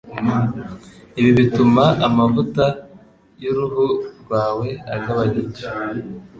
Ibi bituma amavuta y'uruhu rwawe agabanyuka.